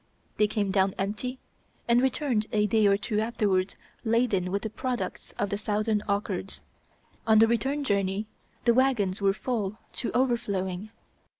They came down empty, and returned a day or two afterwards laden with the products of the southern orchards. On the return journey the wagons were full to overflowing.